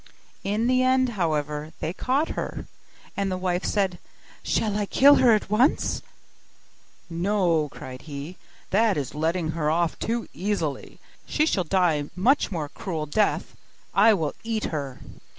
In the end, however, they caught her: and the wife said, 'Shall I kill her at once?' 'No,' cried he, 'that is letting her off too easily: she shall die a much more cruel death; I will eat her.